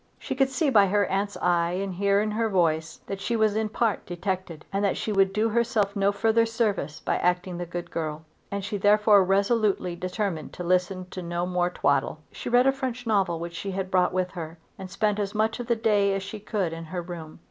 She could see by her aunt's eye and hear in her voice that she was in part detected; and that she would do herself no further service by acting the good girl; and she therefore resolutely determined to listen to no more twaddle. She read a French novel which she had brought with her, and spent as much of the day as she could in her bedroom.